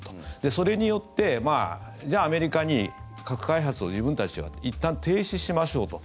それによって、じゃあアメリカに核開発を自分たちはいったん停止しましょうと。